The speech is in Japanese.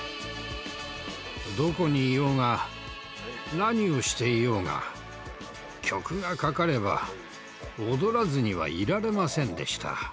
どこにいようが何をしていようが曲がかかれば踊らずにはいられませんでした。